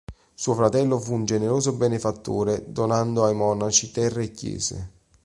Suo fratello fu un generoso benefattore donando ai monaci terre e chiese.